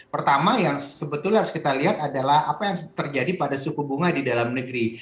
pertama yang sebetulnya harus kita lihat adalah apa yang terjadi pada suku bunga di dalam negeri